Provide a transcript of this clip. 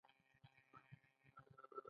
زیاته تکیه یې پر فلسفه باندې وي.